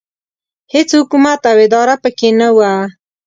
هېڅ حکومت او اداره پکې نه وه.